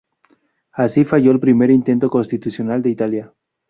Así falló el primer intento constitucional de Italia.